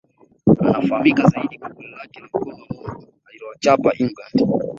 Anafahamika zaidi kwa goli lake la mkono wa Mungu alilowachapa England